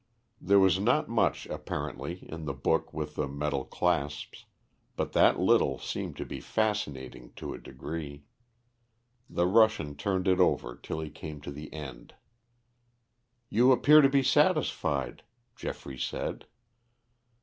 There was not much, apparently, in the book with the metal clasps, but that little seemed to be fascinating to a degree. The Russian turned it over till he came to the end. "You appear to be satisfied," Geoffrey said.